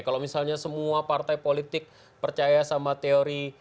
kalau misalnya semua partai politik percaya sama teori